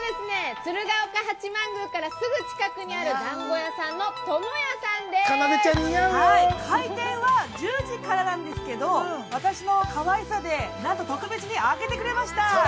鶴岡八幡宮からすぐ近くにある開店は１０時からですが私のかわいさで特別に開けてくれました。